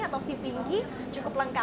atau si pinky cukup lengkap